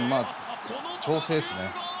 調整ですね。